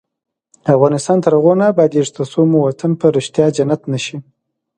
افغانستان تر هغو نه ابادیږي، ترڅو مو وطن په ریښتیا جنت نشي.